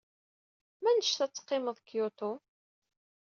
Mennect ɣ ad teqqimed Kyoto?